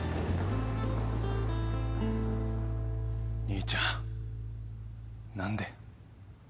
兄ちゃん何で。